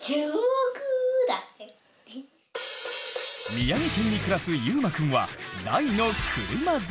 宮城県に暮らすゆうまくんは大の車好き。